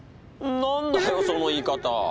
何だよその言い方！